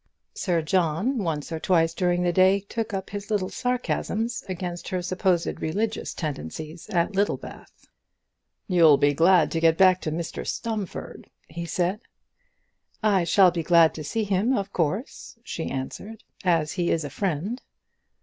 Sir John, once or twice during the day, took up his little sarcasms against her supposed religious tendencies at Littlebath. "You'll be glad to get back to Mr Stumfold," he said. "I shall be glad to see him, of course," she answered, "as he is a friend."